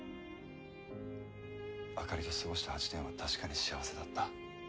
あかりと過ごした８年は確かに幸せだった。